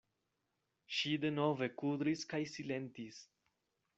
Ŝi denove kudris kaj silentis.